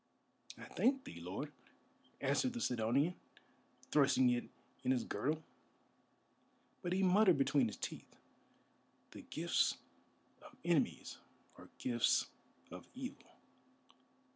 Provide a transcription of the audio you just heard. "I thank thee, lord," answered the Sidonian, thrusting it in his girdle; but he muttered between his teeth, "The gifts of enemies are gifts of evil."